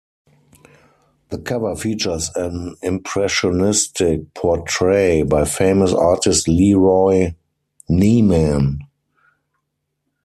The cover features an impressionistic portrait by famous artist LeRoy Neiman.